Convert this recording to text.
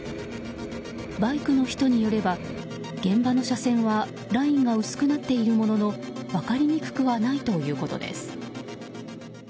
バイクの人によれば現場の車線はラインが薄くなっているものの分かりにくくはないということです。